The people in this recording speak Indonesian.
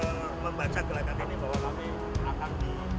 gelang gelang ini bahwa kami akan